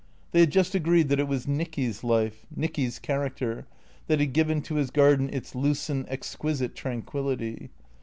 They had just agreed that it was Nicky's life, Nicky's character, that had given to his garden its lucent, exquisite tranquillity.